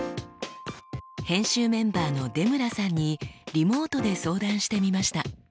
編集メンバーの出村さんにリモートで相談してみました。